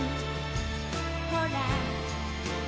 「ほら」